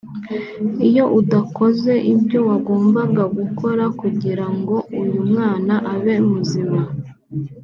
iyo udakoze ibyo wagombaga gukora kugira ngo uyu mwana abe muzima